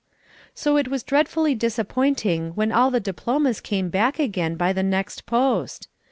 So it was dreadfully disappointing when all the diplomas came back again by the next post.